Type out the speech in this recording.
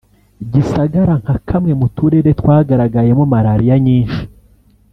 Gisagara nka kamwe mu turere twagaragayemo Malariya nyinshi